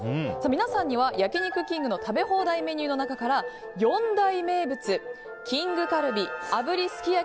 皆さんには焼肉きんぐの食べ放題メニューの中から４大名物きんぐカルビ炙りすき焼